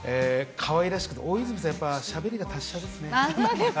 かわいらしくて、大泉さん、やっぱりしゃべりが達者ですね。